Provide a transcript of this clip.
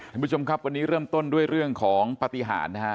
ท่านผู้ชมครับวันนี้เริ่มต้นด้วยเรื่องของปฏิหารนะฮะ